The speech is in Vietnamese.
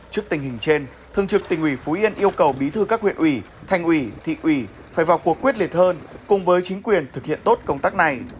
trước tình hình trên thương trực tỉnh ủy phú yên yêu cầu bí thư các huyện ủy thành ủy thị ủy phải vào cuộc quyết liệt hơn cùng với chính quyền thực hiện tốt công tác này